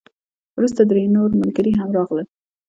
وروسته درې نور ملګري هم راغلل.